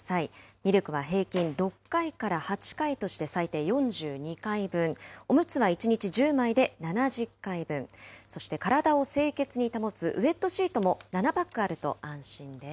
ミルクは平均６回から８回として、最低４２回分、おむつは１日１０枚で７０回分、そして体を清潔に保つウエットシートも７パックあると安心です。